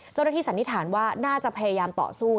เจ้าหน้าที่สันนิษฐานว่าน่าจะพยายามต่อสู้